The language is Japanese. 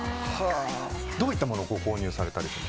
どういったものをご購入されたり？